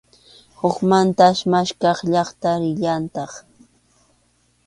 Hukmantas maskhaq llaqta rillantaq.